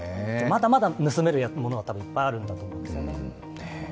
まだまだ盗めるものは、いっぱいあるんだと思うんですよね。